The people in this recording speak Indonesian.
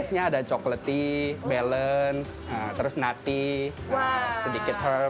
tesnya ada coklat balance terus nati sedikit herbs